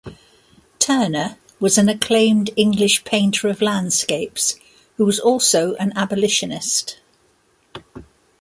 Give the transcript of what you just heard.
Turner was an acclaimed English painter of landscapes who was also an abolitionist.